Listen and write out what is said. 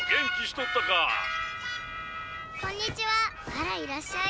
「あらいらっしゃい」。